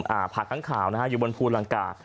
อ่าผ่าขังข่าวนะฮะอยู่บนภูลังกา